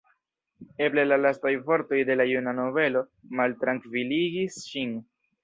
Eble la lastaj vortoj de la juna nobelo maltrankviligis ŝin.